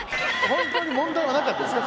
本当に問題はなかったですか？